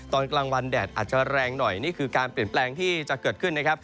ตอนกลางวันแดดอาจจะแรงหน่อยนี่คือการเปลี่ยนแปลงที่จะเกิดขึ้นนะครับ